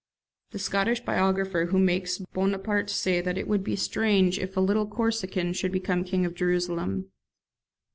[The Scottish biographer makes Bonaparte say that it would be strange if a little Corsican should become King of Jerusalem.